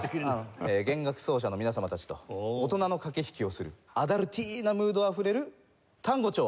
弦楽奏者の皆様たちと大人の駆け引きをするアダルティーなムードあふれるタンゴ調。